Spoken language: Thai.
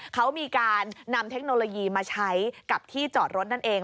เขามีการนำเทคโนโลยีมาใช้กับที่จอดรถนั่นเอง